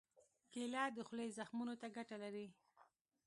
کېله د خولې زخمونو ته ګټه لري.